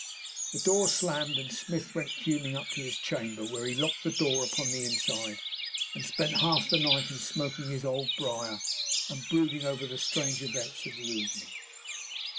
The door slammed, and Smith went fuming up to his chamber, where he locked the door upon the inside, and spent half the night in smoking his old briar and brooding over the strange events of the evening.